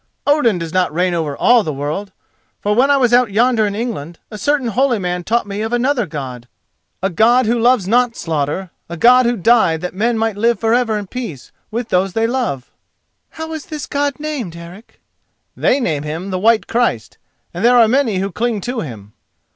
Odin does not reign over all the world, for when I sat out yonder in England, a certain holy man taught me of another God—a God who loves not slaughter, a God who died that men might live for ever in peace with those they love." "How is this God named, Eric?" "They name Him the White Christ, and there are many who cling to Him."